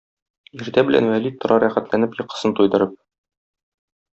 Иртә белән Вәли тора рәхәтләнеп йокысын туйдырып.